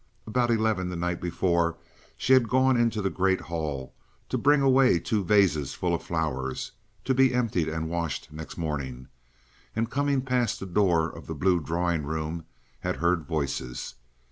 About eleven the night before she had gone into the great hall to bring away two vases full of flowers, to be emptied and washed next morning, and coming past the door of the blue drawing room, had heard voices.